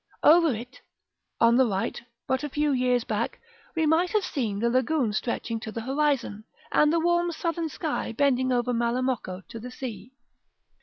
Over it, on the right, but a few years back, we might have seen the lagoon stretching to the horizon, and the warm southern sky bending over Malamocco to the sea.